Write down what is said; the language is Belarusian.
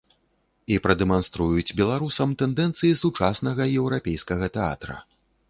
І прадэманструюць беларусам тэндэнцыі сучаснага еўрапейскага тэатра.